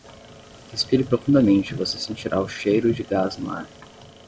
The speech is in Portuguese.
Respire profundamente e você sentirá o cheiro de gás no ar.